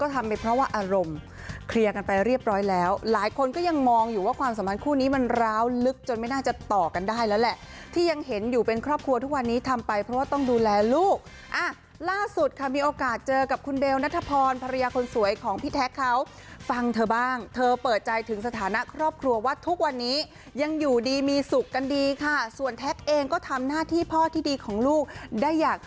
ที่มันร้าวลึกจนไม่น่าจะต่อกันได้แล้วแหละที่ยังเห็นอยู่เป็นครอบครัวทุกวันนี้ทำไปเพราะว่าต้องดูแลลูกล่าสุดค่ะมีโอกาสเจอกับคุณเบลนัทพรภรรยาคนสวยของพี่แท็กเขาฟังเธอบ้างเธอเปิดใจถึงสถานะครอบครัวว่าทุกวันนี้ยังอยู่ดีมีสุขกันดีค่ะส่วนแท็กเองก็ทำหน้าที่พ่อที่ดีของลูกได้